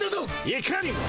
いかにも。